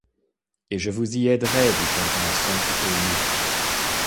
Et je vous y aiderai! dit Contenson ému.